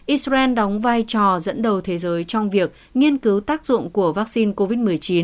israel đóng vai trò dẫn đầu thế giới trong việc nghiên cứu tác dụng của vaccine covid một mươi chín